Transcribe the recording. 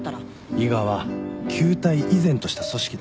伊賀は旧態依然とした組織だ。